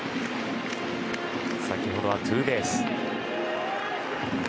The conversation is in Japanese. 先ほどはツーベース。